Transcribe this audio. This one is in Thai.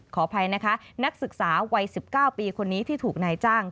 ขออภัยนะคะนักศึกษาวัย๑๙ปีคนนี้ที่ถูกนายจ้าง